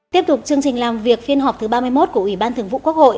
tiếp tục chương trình làm việc phiên họp thứ ba mươi một của ủy ban thường vụ quốc hội